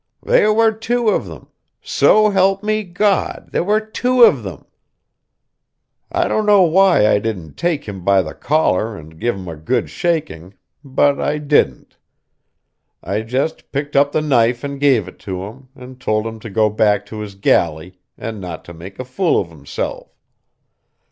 "There were two of them! So help me God, there were two of them!" I don't know why I didn't take him by the collar, and give him a good shaking; but I didn't. I just picked up the knife and gave it to him, and told him to go back to his galley, and not to make a fool of himself.